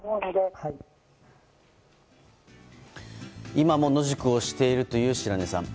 今も野宿をしているという白根さん。